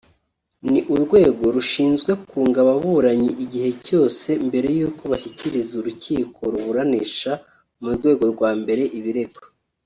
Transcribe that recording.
ni urwego rushinzwe kunga ababuranyi igihe cyose mbere y’uko bashyikiriza urukiko ruburanisha mu rwego rwa mbere ibirego